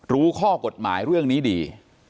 รู้ข้อกฎหมายเรื่องนี้ดี